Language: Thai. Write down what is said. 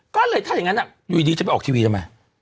ก็เลยถ้าอย่างนั้นอยู่ดีจะไปออกทีวีทำไม